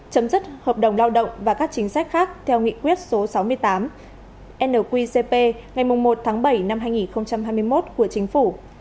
chấm dứt hợp đồng lao động và các chính sách khác theo nghị quyết số sáu mươi tám nqcp ngày một tháng bảy năm hai nghìn hai mươi một của chính phủ